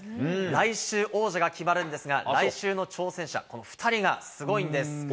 来週王者が決まるんですが、来週の挑戦者、この２人がすごいんです。